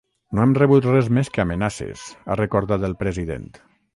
No hem rebut res més que amenaces, ha recordat el president.